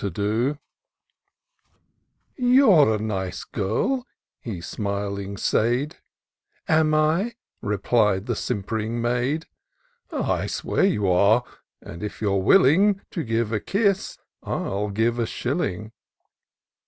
i 36 TOUR OF DOCTOR SYNTAX " You're a nice girl," he smiling said ;" Am I ?" replied the simp'ring maid. " I swear you are, and if you're willing To give a kiss, I'll give a shilling."